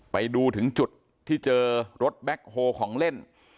ไปดูถึงจุดที่เจอรถแบ็คโฮของเล่น